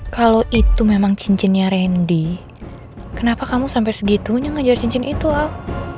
kalau itu memang cincinnya randy kenapa kamu sampai segitunya ngejar cincin itu al